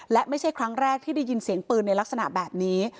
และไม่ใช่ครั้งแรกที่ได้ยินเสียงปืนในลักษณะแบบนี้